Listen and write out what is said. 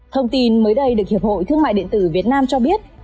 thông tin mới đây được hiệp hội thương mại điện tử việt nam cho biết